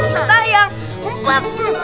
kita yang kumpet